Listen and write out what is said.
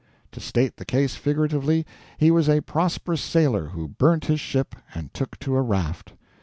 To state the case figuratively, he was a prosperous sailor who burnt his ship and took to a raft.